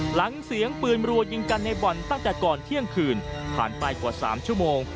หลังเสียงปืนรัวยิงกันในบ่อนตั้งแต่ก่อนเที่ยงคืนผ่านไปกว่า๓ชั่วโมง